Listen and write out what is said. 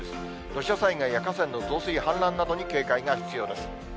土砂災害や河川の増水、氾濫などに警戒が必要です。